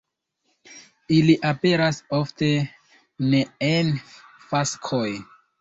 Ili aperas ofte ne en faskoj.